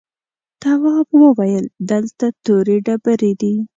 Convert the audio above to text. تواب وويل: دلته تورې ډبرې دي.